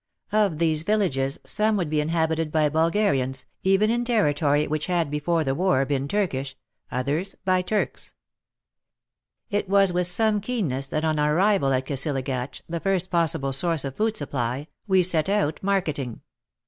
Of these villages some would be in habited by Bulgarians, even in territory which had before the war been Turkish, others by Turks. It was with some keenness that on ar rival at Kisilagatch — the first possible source of food supply — we set out marketing.